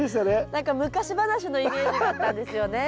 何か昔話のイメージだったんですよね。